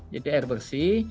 jadi air bersih